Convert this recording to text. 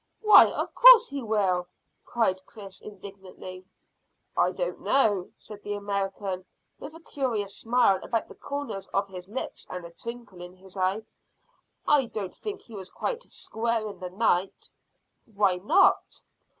"Why, of course he will," cried Chris indignantly. "I don't know," said the American, with a curious smile about the corners of his lips and a twinkle in his eye. "I don't think he was quite square in the night." "Why not?"